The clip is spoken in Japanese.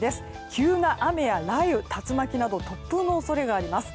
急な雨や雷雨、竜巻など突風の恐れがあります。